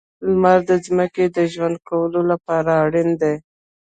• لمر د ځمکې د ژوند کولو لپاره اړین دی.